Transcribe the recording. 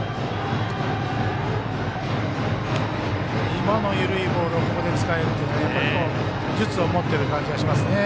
今の緩いボールをここで使えるというのはやっぱり、投球術を持っている感じがしますね。